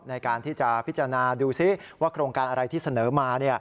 ในการที่จะพิจารณาดูซิว่าโครงการอะไรที่เสนอมา